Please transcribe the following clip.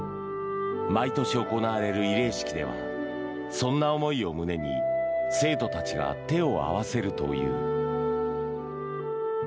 毎年行われる慰霊式ではそんな思いを胸に生徒たちが手を合わせるという。